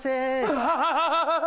ウハハハ！